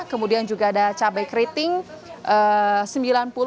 kemudian juga ada cabai keriting rp sembilan puluh